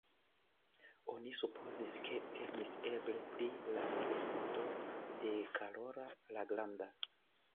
Oni supozis, ke temis eble pri la elefanto de Karolo la granda.